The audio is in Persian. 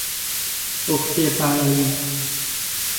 عهده برائی